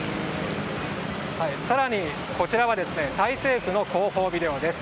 更に、こちらはタイ政府の広報ビデオです。